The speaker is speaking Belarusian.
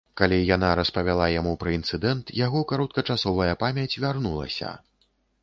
Калі яна распавяла яму пра інцыдэнт, яго кароткачасовая памяць вярнулася.